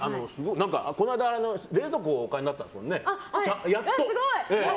この間、冷蔵庫お買いになったんですよね。